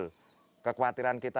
itu kekhawatiran kita